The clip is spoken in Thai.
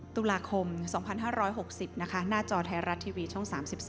ตุลาคม๒๕๖๐นะคะหน้าจอไทยรัฐทีวีช่อง๓๒